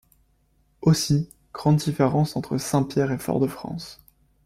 Aussi, grande différence entre Saint-Pierre et Fort-de-France.